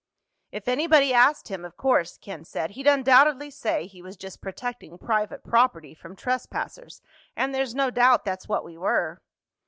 "If anybody asked him, of course," Ken said, "he'd undoubtedly say he was just protecting private property from trespassers—and there's no doubt that's what we were."